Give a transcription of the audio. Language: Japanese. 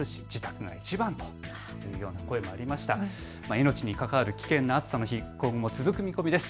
命に関わる危険な暑さ、今後も続く見込みです。